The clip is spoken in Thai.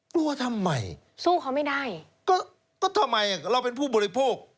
กลัวทำไมก็ทำไมเราเป็นผู้บริโภค